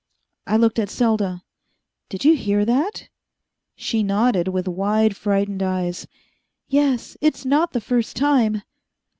I looked at Selda. "Did you hear that?" She nodded, with wide, frightened eyes. "Yes. It's not the first time."